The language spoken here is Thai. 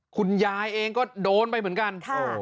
คุณยายเองก็โดนไปเหมือนกัน